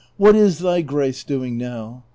What is thy grace doing now ?